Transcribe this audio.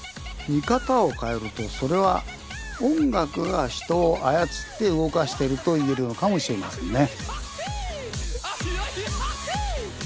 見方を変えるとそれは音楽が人を操って動かしてると言えるのかもしれませんね。